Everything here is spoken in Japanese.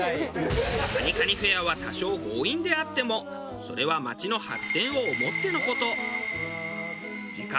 蟹蟹フェアは多少強引であってもそれは町の発展を思っての事。